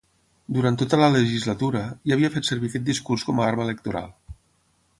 Durant tota la legislatura, ja havia fet servir aquest discurs com a arma electoral.